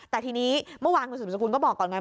แต่ทีนี้เมื่อวานคุณสุมสกุลก็บอกก่อนไง